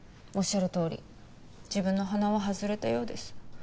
おっしゃるとおり自分の鼻は外れたようです。